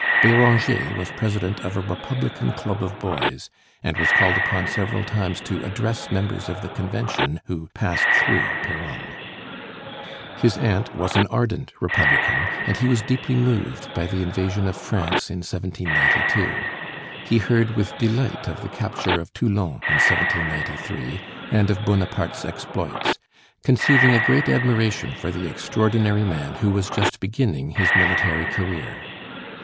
Béranger was president of a republican club of boys, and was called upon several times to address members of the Convention who passed through Péronne. His aunt was an ardent republican, and he was deeply moved by the invasion of France in 1792. He heard with delight of the capture of Toulon in 1793 and of Bonaparte's exploits, conceiving a great admiration for the extraordinary man who was just beginning his military career.